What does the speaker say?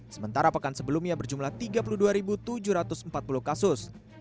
sementara pekan sebelumnya berjumlah tiga puluh dua tujuh ratus empat puluh kasus